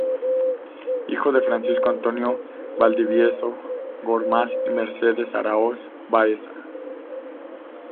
Hijo de Francisco Antonio Valdivieso Gormaz y Mercedes Araos Baeza.